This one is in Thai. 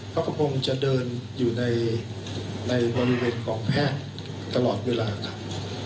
เขาก็คงจะเดินอยู่ในบริเวณกองแพทย์ตลอดเวลาครับ